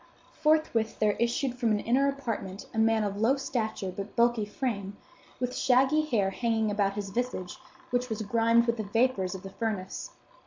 Forthwith there issued from an inner apartment a man of low stature, but bulky frame, with shaggy hair hanging about his visage, which was grimed with the vapors of the furnace.